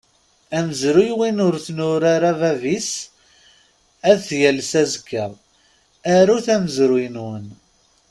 Amezruy win ur t-nura bab-is ad t-yalles azekka, arut amezruy-nwen!